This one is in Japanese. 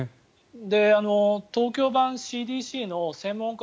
東京版ＣＤＣの専門家